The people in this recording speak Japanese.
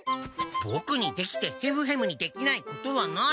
ボクにできてヘムヘムにできないことはない。